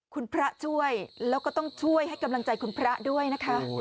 คุณพระช่วยแล้วก็ต้องช่วยให้กำลังใจคุณพระด้วยนะคะ